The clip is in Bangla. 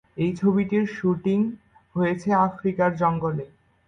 এই ছবিটির শ্যুটিং হয়েছে আফ্রিকার জঙ্গলে।